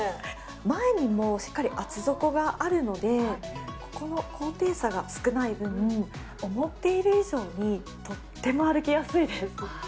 前にもしっかり厚底があるので、ここの高低差が少ない分、思っている以上にとっても歩きやすいです。